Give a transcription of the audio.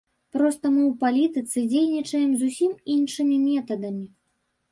Проста мы ў палітыцы дзейнічаем зусім іншымі метадамі.